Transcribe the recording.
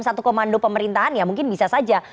satu komando pemerintahan ya mungkin bisa saja